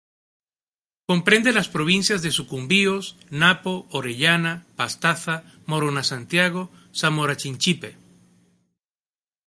Comprende las provincias de Sucumbíos, Napo, Orellana, Pastaza, Morona Santiago, Zamora Chinchipe.